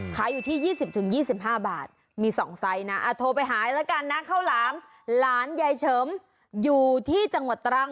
ขายอยู่ที่๒๐๒๕บาทมี๒ไซส์นะโทรไปหาแล้วกันนะข้าวหลามหลานยายเฉิมอยู่ที่จังหวัดตรัง